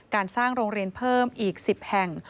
การสร้างโรงเรียนเพิ่มอีก๑๐แห่ง